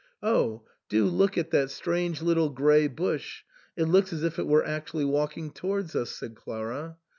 " Oh ! do look at that strange little grey bush, it looks as if it were actually walking towards us," said Clara.